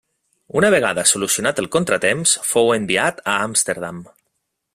Una vegada solucionat el contratemps fou enviat a Amsterdam.